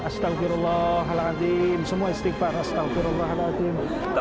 astagfirullahaladzim semua istighfar astagfirullahaladzim